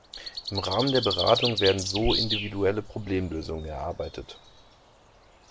Im Rahmen der Beratung werden so individuelle Problemlösungen erarbeitet.